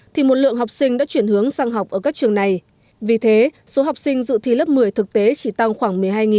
thì một lượng học sinh đã chuyển hướng sang học ở các trường này vì thế số học sinh dự thi lớp một mươi thực tế chỉ tăng khoảng một mươi hai